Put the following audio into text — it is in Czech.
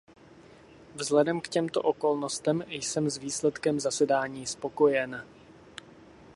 Vzhledem k těmto okolnostem jsem s výsledkem zasedání spokojen.